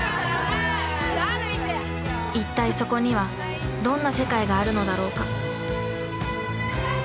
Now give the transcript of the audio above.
一体そこにはどんな世界があるのだろうか。